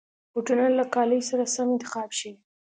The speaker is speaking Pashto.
بوټونه له کالي سره سم انتخاب شي.